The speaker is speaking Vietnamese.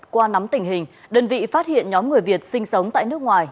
qua nắm tình hình đơn vị phát hiện nhóm người việt sinh sống tại nước ngoài